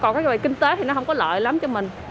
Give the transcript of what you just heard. còn cái về kinh tế thì nó không có lợi lắm cho mình